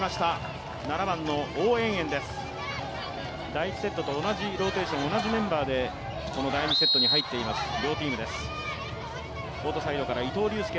第１セットと同じローテーション、同じメンバーでこの第２セットに入っています、両チームです。